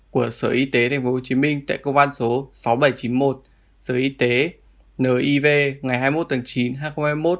của sở y tế tp hcm tại công an số sáu nghìn bảy trăm chín mươi một sở y tế niiv ngày hai mươi một tháng chín hai nghìn hai mươi một